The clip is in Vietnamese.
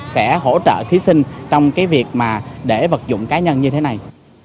sẽ hỗ trợ thí sinh trong cái việc mà để vật dụng cá nhân như thế này